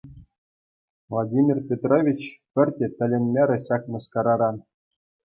Владимир Петрович пӗртте тӗлӗнмерӗ ҫак мыскараран.